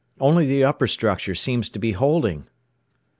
Only the upper structure seems to be holding!"